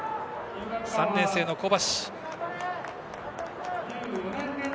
３年生の小橋。